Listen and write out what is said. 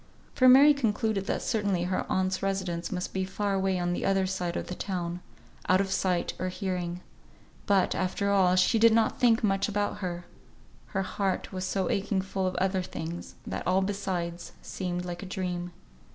For Mary concluded that certainly her aunt's residence must be far away on the other side of the town, out of sight or hearing. But, after all, she did not think much about her; her heart was so aching full of other things, that all besides seemed like a dream.